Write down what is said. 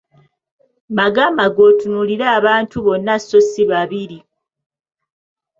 Magamaga otunuulire abantu bonna so si babiri.